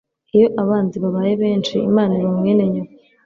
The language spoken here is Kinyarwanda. Iyo abanzi babaye benshi Imana iba mwene nyoko